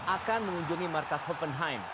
akan mengunjungi markas hoffenheim